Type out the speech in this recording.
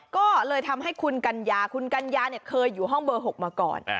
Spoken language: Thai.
ก็เลยทำให้คุณกัญญาคุณกัญญาเคยอยู่ห้องเบอร์๖มาก่อน